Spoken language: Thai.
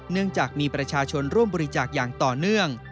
เนื่องจากมีประชาชนร่วมบริจาคอย่างต่อเนื่อง